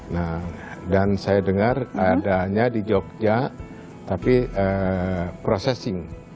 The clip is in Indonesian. nah dan saya dengar adanya di jogja tapi processing